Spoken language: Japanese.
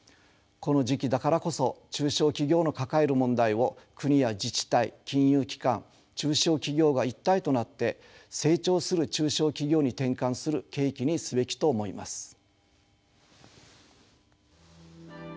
この時期だからこそ中小企業の抱える問題を国や自治体金融機関中小企業が一体となって成長する中小企業に転換する契機にすべきと思います。